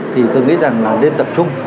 thì tôi nghĩ rằng là nên tập trung